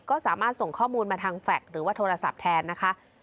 ก็สามารถส่งข้อมูลมาทางแฟลต์หรือว่าโทรศัพท์แทนนะคะ